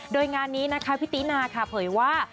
โดยงานนี้นะคะพี่ตินาค่ะเผยว่า